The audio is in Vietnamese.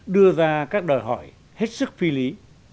đưa ra các đòi hỏi hết sức phi lý